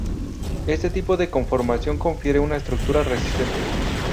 Este tipo de conformación confiere una estructura resistente.